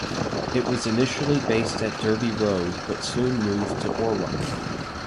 It was initially based at Derby Road but soon moved to Orwell.